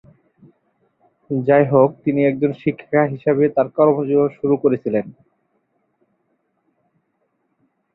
যাইহোক, তিনি একজন শিক্ষিকা হিসাবে তার কর্মজীবন শুরু করেছিলেন।